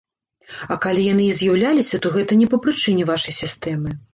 А калі яны і з'яўляліся, то гэта не па прычыне вашай сістэмы.